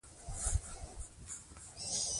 خپل ماشومان په ساینسي علومو سمبال کړئ.